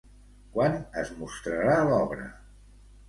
Quan es mostrarà l'obra?